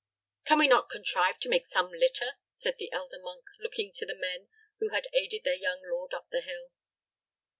"Can we not contrive to make some litter?" said the elder monk, looking to the men who had aided their young lord up the hill.